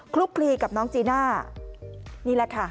ลุกคลีกับน้องจีน่านี่แหละค่ะ